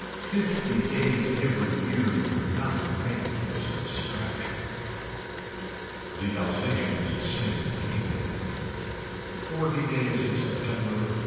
Fifty days every year do not make substraction. The Alsations sing anyway. Forty days in September.